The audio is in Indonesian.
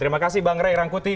terima kasih bang ray rangkuti